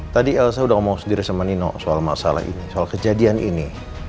tadi elsa sudah ngomong sendiri sama nino soal masalah ini soal kejadian ini